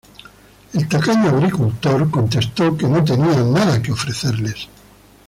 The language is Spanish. El tacaño agricultor contestó que no tenía nada que ofrecerles.